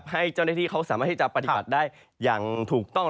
ให้เจ้าหน้าที่เขาสามารถที่จะปฏิบัติได้อย่างถูกต้อง